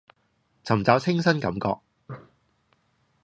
尋找清新感覺